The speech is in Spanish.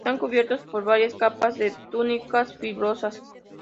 Están cubiertos por varias capas de túnicas fibrosas.